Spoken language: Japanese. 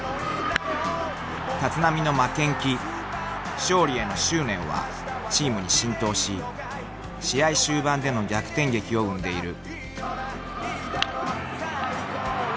［立浪の負けん気勝利への執念はチームに浸透し試合終盤での逆転劇を生んでいる］